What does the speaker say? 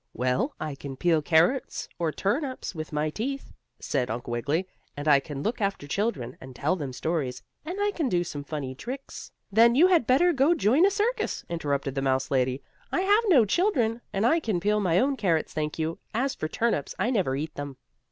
"Well, I can peel carrots or turnips with my teeth," said Uncle Wiggily, "and I can look after children, and tell them stories, and I can do some funny tricks " "Then you had better go join a circus," interrupted the mouse lady. "I have no children, and I can peel my own carrots, thank you. As for turnips, I never eat them."